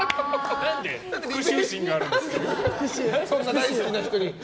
何で復讐心があるんですか。